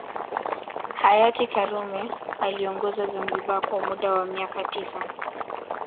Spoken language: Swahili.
Hayati karume aliongoza Zanzibar kwa muda wa miaka tisa